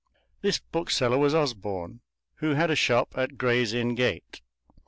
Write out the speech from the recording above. This bookseller was Osborne, who had a shop at Gray's Inn Gate.